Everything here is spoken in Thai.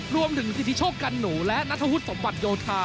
รวมถึงสิทธิโชคกันหนูและนัทวุฒิสมบัติโยธา